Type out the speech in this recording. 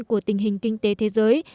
của tình hình kinh tế thế giới